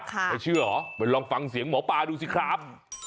ไม่เชื่อเหรอไปลองฟังเสียงหมอปลาดูสิครับ